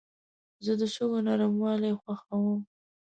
زه د شګو نرموالي خوښوم.